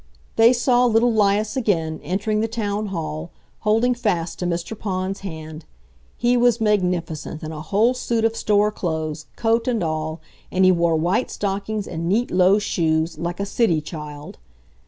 They saw little 'Lias again, entering the Town Hall, holding fast to Mr. Pond's hand. He was magnificent in a whole suit of store clothes, coat and all, and he wore white stockings and neat, low shoes, like a city child!